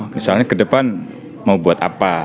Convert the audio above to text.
misalnya ke depan mau buat apa